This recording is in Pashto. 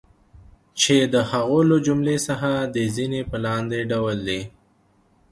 چی د هغو له جملی څخه د ځینی په لاندی ډول دی